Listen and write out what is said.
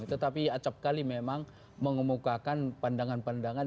tetapi acapkali memang mengemukakan pandangan pandangan